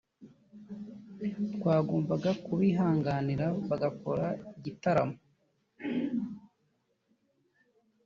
twagombaga kubihanganira bagakora igitaramo”